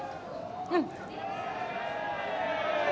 うん。